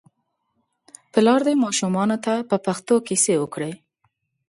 پلار دې ماشومانو ته په پښتو کیسې وکړي.